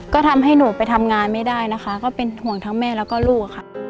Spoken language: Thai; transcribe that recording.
ก็ทำให้หนูไปทำงานไม่ได้นะคะก็เป็นห่วงทั้งแม่แล้วก็ลูกค่ะ